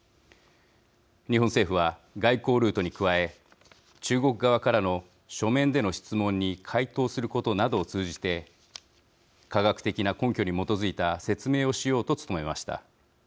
日本政府は外交ルートに加え中国側からの書面での質問に回答することなどを通じて科学的な根拠に基づいた説明をしようと努めました。